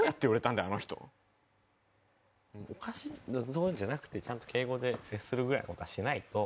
そういうのじゃなくてちゃんと敬語で接するぐらいの事はしないと。